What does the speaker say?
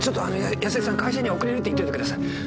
会社には遅れるって言っといてください。